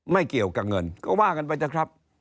ไม่เกี่ยวกับเงินก็ว่ากันไปเถอะครับ